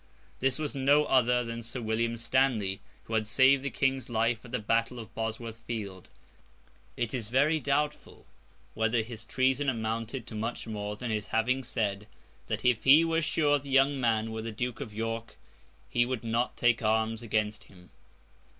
This was no other than Sir William Stanley, who had saved the King's life at the battle of Bosworth Field. It is very doubtful whether his treason amounted to much more than his having said, that if he were sure the young man was the Duke of York, he would not take arms against him.